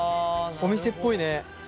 お店っぽいね。